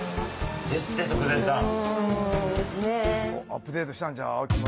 アップデートしたんちゃう？